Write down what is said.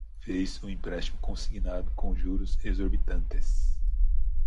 Fiz um empréstimo consignado com juros exorbitantes